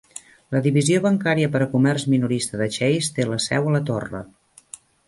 La divisió bancària per a comerç minorista de Chase té la seu a la torre.